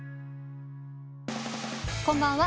こんばんは。